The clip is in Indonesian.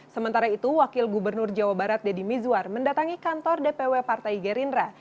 sementara itu wakil gubernur jawa barat deddy mizwar mendatangi kantor dpw partai gerindra